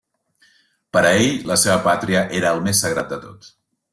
Per a ell, la seva pàtria era el més sagrat de tot.